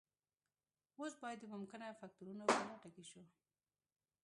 اوس باید د ممکنه فکتورونو په لټه کې شو